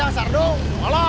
kalah dong kalah